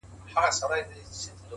فکرونه راتلونکی جوړوي؛